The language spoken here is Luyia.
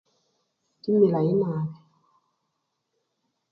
Kimilayi nabii.